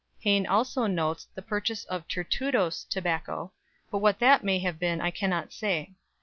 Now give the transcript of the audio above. Hayne also notes the purchase of "Tertudoes" tobacco, but what that may have been I cannot say.